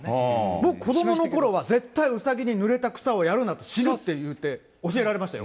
僕、子どものころは、絶対、うさぎにぬれた草をやるなと、死ぬって言って教えられましたよ。